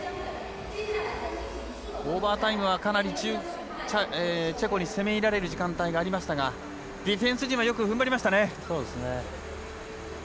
オーバータイムはかなりチェコに攻め入られる時間帯がありましたがディフェンス陣はよくふんばりましたね。